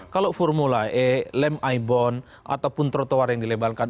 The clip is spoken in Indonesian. kalau formula e lem ibon ataupun trotoar yang dilebalkan